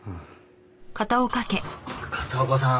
片岡さん